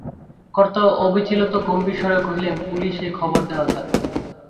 কর্তা অবিচলিত গম্ভীরস্বরে কহিলেন, পুলিসে খবর দেওয়া যাক।